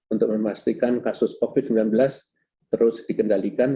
untuk memastikan kasus covid sembilan belas terus dikendalikan